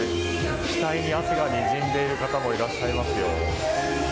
額に汗がにじんでいる方もいらっしゃいますよ。